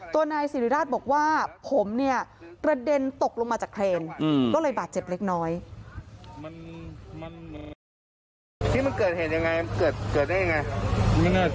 ตัวนายศิริราชบอกว่าผมเนี่ยประเด็นตกลงมาจากเครน